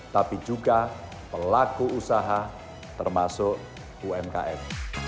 tapi juga pelaku usaha termasuk umkm